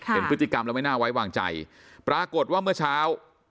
เห็นพฤติกรรมแล้วไม่น่าไว้วางใจปรากฏว่าเมื่อเช้า